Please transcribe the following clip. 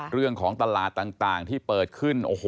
เรื่องของตลาดต่างที่เปิดขึ้นโอ้โห